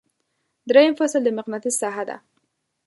دریم فصل د مقناطیس ساحه ده.